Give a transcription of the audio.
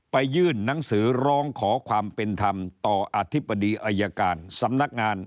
ยื่นหนังสือร้องขอความเป็นธรรมต่ออธิบดีอายการสำนักงาน